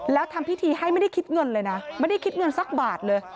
แล้วทำพิธีให้ไม่ได้คิดเงินเลยนะไม่ได้คิดเงินสักบาทเลย